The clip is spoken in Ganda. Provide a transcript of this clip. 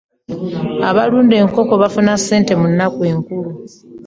Abalunda enkoko bafune sente mu nnaku enkulu.